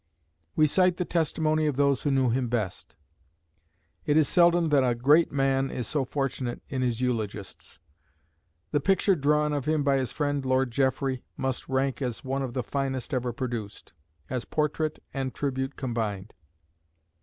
We cite the testimony of those who knew him best. It is seldom that a great man is so fortunate in his eulogists. The picture drawn of him by his friend, Lord Jeffrey, must rank as one of the finest ever produced, as portrait and tribute combined.